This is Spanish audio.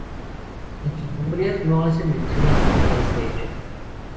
En sus memorias no hace mención alguna a este hecho.